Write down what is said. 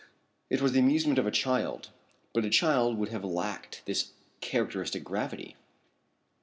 It was the amusement of a child, but a child would have lacked this characteristic gravity.